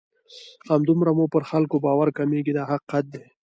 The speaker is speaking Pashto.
همدومره مو پر خلکو باور کمیږي دا حقیقت دی.